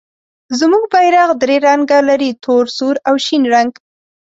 زموږ بیرغ درې رنګه لري، تور، سور او شین رنګ.